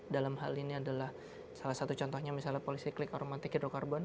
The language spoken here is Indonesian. dalam hal ini adalah salah satu contohnya misalnya polisiklik aromatik hidrokarbon